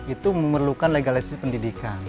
itu memerlukan legalisasi pendidikan